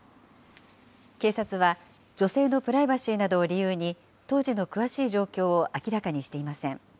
警察は女性のプライバシーなどを理由に、当時の詳しい状況を明らかにしていません。